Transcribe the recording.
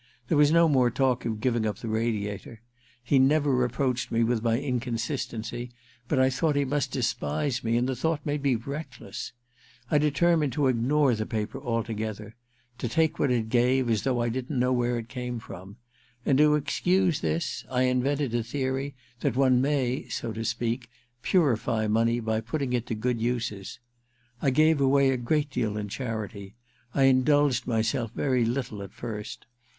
There was no more talk of giving up the Radiator. He never reproached me with my inconsistency, but I thought he must despise me, and the thought made me reckless. I determined to ignore the Ill THE QUICKSAND 309 paper altogether — to take what it gave as though I didn't know where it came from. And to excuse this I invented the theory that one may, so to speak, purify money by putting it to good uses. I gave away a great deal in charity — I indulged myself very little at first.